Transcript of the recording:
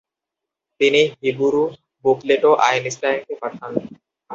তিনি হিবুরু বুকলেটও আইনস্টাইনকে পাঠান।